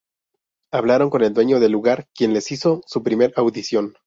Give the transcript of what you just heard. Hablaron con el dueño del lugar quien les hizo su primer audición.